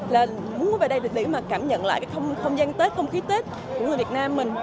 là muốn về đây được để mà cảm nhận lại cái không gian tết không khí tết của người việt nam mình